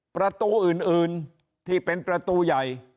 ประตูอื่นที่เป็นประตูใหญ่